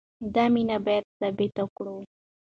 دا مینه باید ثابته کړو.